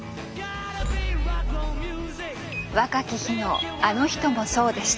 若き日のあの人もそうでした。